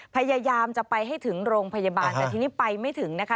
พยายามจะไปให้ถึงโรงพยาบาลแต่ทีนี้ไปไม่ถึงนะคะ